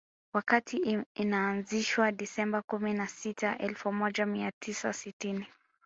Wakati inaanzishwa Disemba kumi na sita elfu moja mia tisa sitini